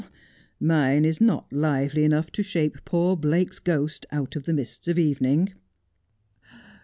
Mine is not lively enough to shape poor Blake's ghost out of the mists of evening.'